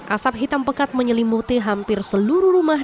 asap hitam pekat menyelimuti hampir seluruh rumah